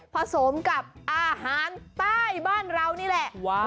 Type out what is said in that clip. ผสมกับอาหารใต้บ้านเรานี่แหละ